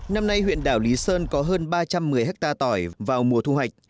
năm nay huyện đảo lý sơn có hơn ba trăm một mươi hectare tỏi vào mùa thu hoạch